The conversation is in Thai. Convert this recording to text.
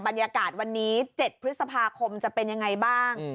บรรยากาศวันนี้๗พฤษภาคมจะเป็นยังไงบ้าง